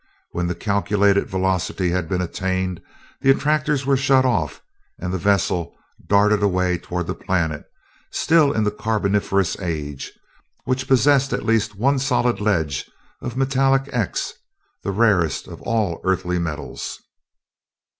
When the calculated velocity had been attained, the attractors were shut off and the vessel darted away toward that planet, still in the Carboniferous Age, which possessed at least one solid ledge of metallic "X," the rarest of all earthly metals.